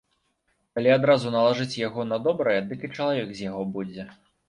Калі адразу налажыць яго на добрае, дык і чалавек з яго будзе.